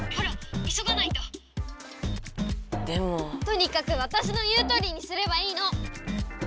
とにかくわたしの言うとおりにすればいいの！